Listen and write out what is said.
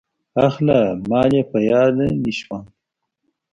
اخله مالې په ياده دې شوم.